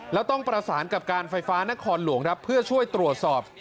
แล้วต้องประสานกับการไฟฟ้านครหลวงครับเพื่อช่วยตรวจสอบ